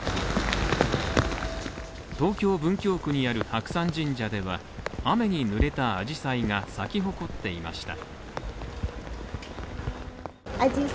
東京・文京区にある白山神社では、雨に濡れたアジサイが咲き誇っていました